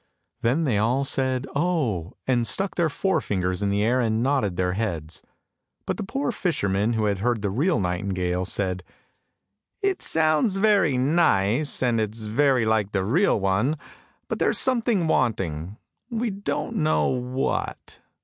Then they all said " Oh," and stuck their forefingers in the air and nodded their heads; but the poor fishermen who had heard the real nightingale said, " It sounds very nice, and it is very like the real one, but there is something wanting, we don't know what."